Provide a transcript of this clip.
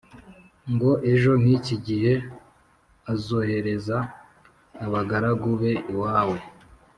ngo ejo nk’iki gihe azohereza abagaragu be iwawe